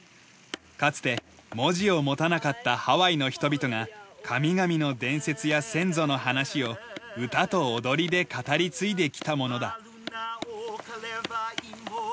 かつて文字を持たなかったハワイの人々が神々の伝説や先祖の話を歌と踊りで語り継いできたものだ。